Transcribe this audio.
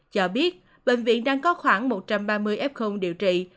cho biết bệnh viện đang có khoảng một trăm ba mươi f điều trị